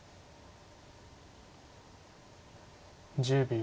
１０秒。